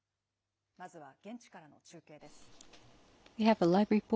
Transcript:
まずは、現地からの中継です。